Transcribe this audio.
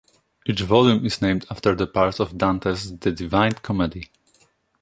Each volume is named after the parts of Dante's "The Divine Comedy".